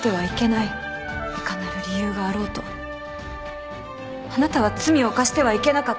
いかなる理由があろうとあなたは罪を犯してはいけなかった。